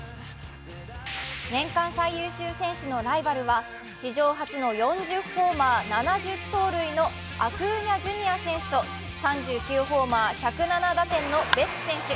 年間最優秀選手のライバルは史上初の４０ホーマー７０盗塁のアクーニャ・ジュニア選手と３９ホーマー１０７打点のベッツ選手。